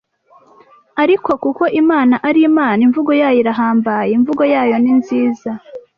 ariko kuko Imana ari Imana imvugo yayo irahambaye, imvugo yayo ni nziza.